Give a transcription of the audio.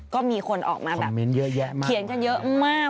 ก็มีคนออกมาแบบเขียนกันเยอะมาก